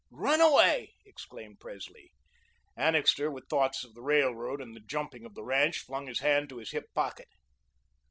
"Runaway," exclaimed Presley. Annixter, with thoughts of the Railroad, and the "Jumping" of the ranch, flung his hand to his hip pocket.